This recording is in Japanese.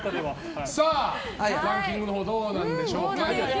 ランキングのほうどうなんでしょうか。